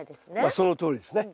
そのとおりですねはい。